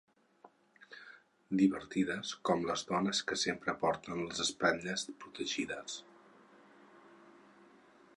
Divertides com les dones que sempre porten les espatlles protegides.